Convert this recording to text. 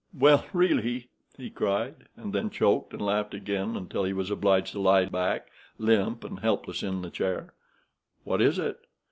"Well, really!" he cried, and then he choked, and laughed again until he was obliged to lie back, limp and helpless, in the chair. "What is it?"